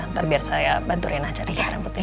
ntar biar saya bantu rena cari rambutnya ya